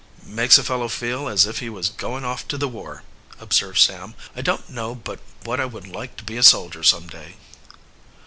"Makes a fellow feel as if he was going off to the war!" observed Sam. "I don't know but what I would like to be a soldier some day."